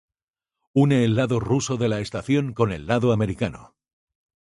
Une el lado ruso de la estación con el lado americano.